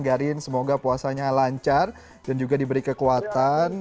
garin semoga puasanya lancar dan juga diberi kekuatan